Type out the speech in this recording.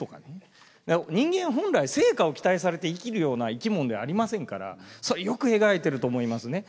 人間本来成果を期待されて生きるような生き物ではありませんからそれよく描いてると思いますね。